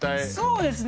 そうですね。